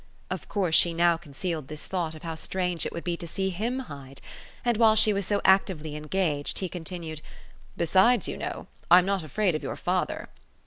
Of course she now concealed this thought of how strange it would be to see HIM hide; and while she was so actively engaged he continued: "Besides, you know, I'm not afraid of your father."